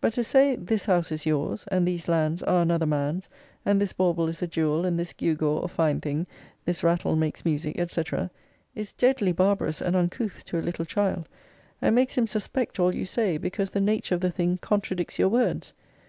But to say this house is yours, and these lands are another man's, and this bauble is a jewel and this gew gaw a fine thing, this rattle makes music, &c., is deadly barbarous and uncouth to a little child ; and makes him suspect all you say, because the nature of the thing contradicts your words.